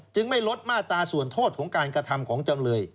ไม่ลดมาตราส่วนโทษของการกระทำของจำเลย